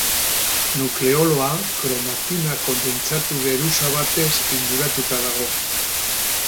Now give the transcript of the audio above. Nukleoloa kromatina kondentsatu geruza batez inguratuta dago.